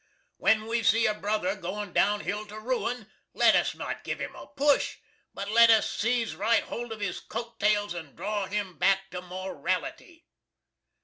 When we see a brother goin down hill to Ruin let us not give him a push, but let us seeze rite hold of his coat tails and draw him back to Morality.